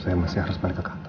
saya masih harus balik ke kantor